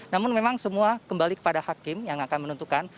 namun memang semua kembali kepada hakim yang akan menentukan